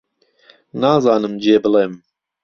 نازانم جێ بڵێم